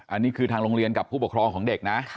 อันนี้คือทางโรงเรียนกับผู้ปกครองของเด็กนะ